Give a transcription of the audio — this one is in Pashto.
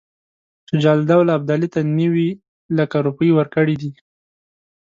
شجاع الدوله ابدالي ته نیوي لکه روپۍ ورکړي دي.